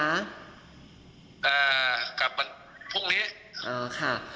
กลับวันพรุ่งนี้